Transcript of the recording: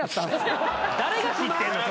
誰が知ってんの？